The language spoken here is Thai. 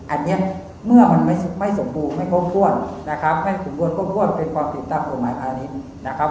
อันนี้เมื่อมันไม่สมบูรณ์ไม่ควบควรนะครับเป็นความคริบตามเป้าหมายภาคอันนี้นะครับ